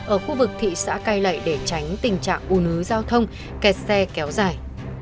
ở khu vực thị xã cây lệ để tránh tình trạng ủ nứ giao thông kẹt xe kéo dài